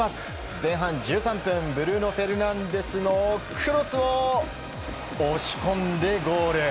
前半１３分ブルーノ・フェルナンデスのクロスを押し込んでゴール！